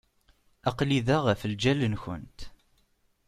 Aql-i da ɣef lǧal-nkent.